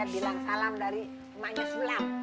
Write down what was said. bilang salam dari emaknya sulam